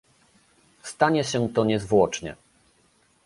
Stanie się to niezwłocznie